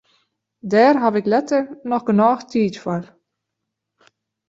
Dêr haw ik letter noch genôch tiid foar.